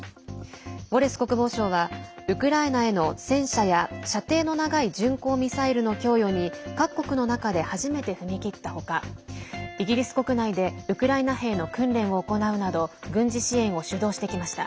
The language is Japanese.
ウォレス国防相はウクライナへの戦車や射程の長い巡航ミサイルの供与に各国の中で初めて踏み切った他イギリス国内でウクライナ兵の訓練を行うなど軍事支援を主導してきました。